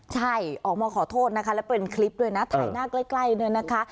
ใช่ออกมาขอโทษนะคะแล้วเป็นคลิปด้วยนะถ่ายหน้าใกล้เนี่ยนะคะ